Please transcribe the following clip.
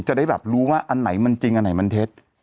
จะได้แบบรู้ว่าอันไหนมันจริงอันไหนมันเท็จ